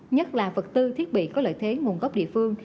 nhất là vật tư thiết bị có lợi thế nguồn gốc địa phương